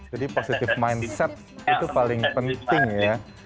jadi positive mindset itu paling penting ya